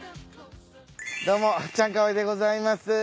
どうもチャンカワイでございます。